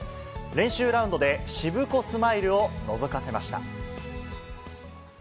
練習ラウンドでしぶこスマイルをのぞかせました。